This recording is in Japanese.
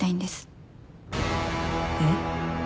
えっ？